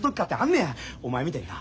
お前みたいにな